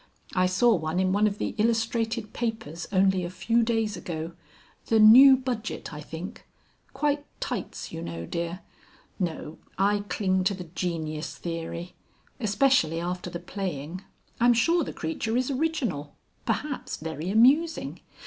I saw one in one of the Illustrated Papers only a few days ago the New Budget I think quite tights, you know, dear. No I cling to the genius theory. Especially after the playing. I'm sure the creature is original. Perhaps very amusing.